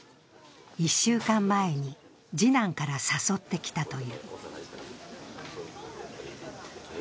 １週間前に次男から誘ってきたという。